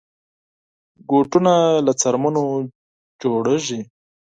بوټونه له څرمنو جوړېږي.